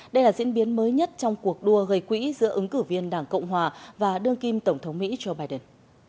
đây là diễn biến mới nhất trong cuộc đua gây quỹ giữa ứng cử viên đảng cộng hòa và đương kim tổng thống mỹ joe biden